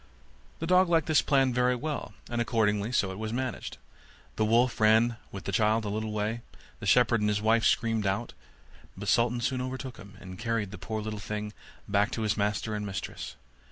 The dog liked this plan very well; and accordingly so it was managed. The wolf ran with the child a little way; the shepherd and his wife screamed out; but Sultan soon overtook him, and carried the poor little thing back to his master and mistress.